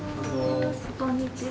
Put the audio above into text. こんにちは。